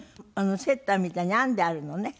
セーターみたいに編んであるのね？